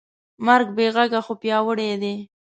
مرګ بېغږه خو پیاوړی دی.